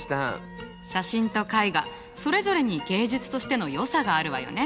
写真と絵画それぞれに芸術としてのよさがあるわよね。